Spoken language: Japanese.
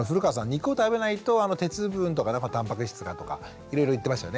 肉を食べないと鉄分とかたんぱく質がとかいろいろ言ってましたよね。